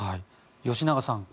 吉永さん